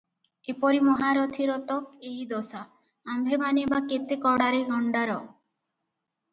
ଏପରି ମହାରଥୀର ତ ଏହି ଦଶା, ଆମ୍ଭେମାନେ ବା କେତେ କଡ଼ାରେ ଗଣ୍ତାର ।